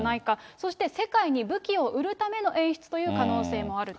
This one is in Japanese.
そして、世界に武器を売るための演出という可能性もあると。